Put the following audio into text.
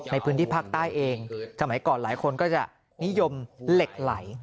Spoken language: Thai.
ในพื้นที่ภาคใต้เองสมัยก่อนหลายคนก็จะนิยมเหล็กไหล